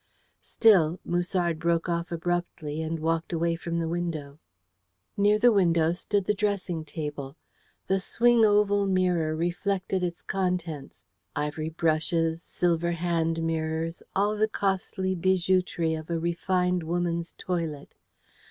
"Still " Musard broke off abruptly, and walked away from the window. Near the window stood the dressing table. The swing oval mirror reflected its contents ivory brushes, silver hand mirrors, all the costly bijoutry of a refined woman's toilet.